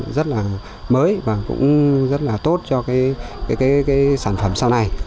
điều này rất là mới và cũng rất là tốt cho cái sản phẩm sau này